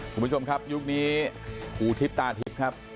คุณผู้ชมครับยุคนี้ภูทิพย์ตาทิพย์ครับ